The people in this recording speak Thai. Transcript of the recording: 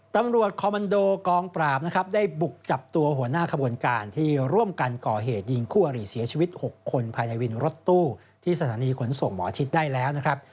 ตำรวจคอมมันโดกองปราบนะครับได้บุกจับตัวหัวหน้าขบวนการที่ร่วมกันก่อเหตุยิงคู่อริเสียชีวิต๖คนภายในวินรถตู้ที่สถานีขนส่งหมอชิดได้แล้วนะครับ